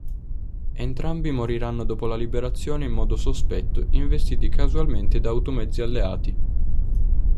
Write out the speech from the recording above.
Entrambi moriranno dopo la Liberazione in modo sospetto investiti "casualmente" da automezzi alleati.